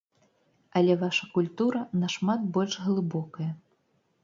Але ваша культура нашмат больш глыбокая.